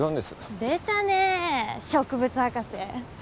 出たね植物博士。